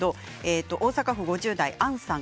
大阪府５０代の方。